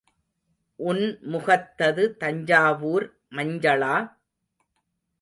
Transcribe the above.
உன் முகத்தது தஞ்சாவூர் மஞ்சளா?